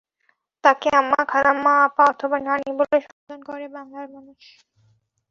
তাঁকে আম্মা, খালাম্মা, আপা অথবা নানি বলে সম্বোধন করে বাংলার মানুষ।